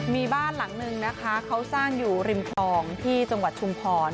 มีบ้านหลังนึงนะคะเขาสร้างอยู่ริมคลองที่จังหวัดชุมพร